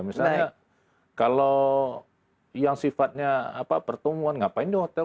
misalnya kalau yang sifatnya pertemuan ngapain di hotel